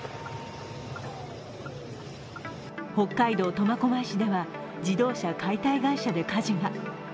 北海道苫小牧市では自動車解体会社で火事が。